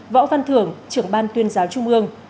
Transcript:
võ văn thưởng trưởng ban tuyên giáo trung ương